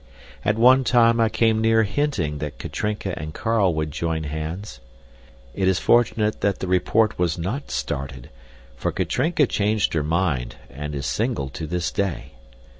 At one time, I came near hinting that Katrinka and Carl would join hands. It is fortunate that the report was not started, for Katrinka changed her mind and is single to this day.